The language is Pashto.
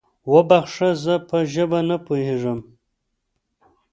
وبخښه، زه په ژبه نه پوهېږم؟